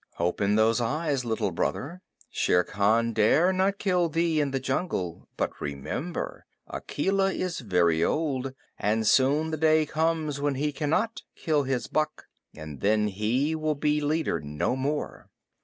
Open those eyes, Little Brother. Shere Khan dare not kill thee in the jungle. But remember, Akela is very old, and soon the day comes when he cannot kill his buck, and then he will be leader no more.